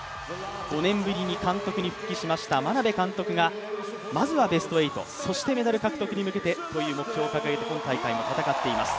５年ぶりに監督に復帰しました眞鍋監督がまずはベスト８、そしてメダル獲得に向けてという目標を掲げて今大会も戦っています。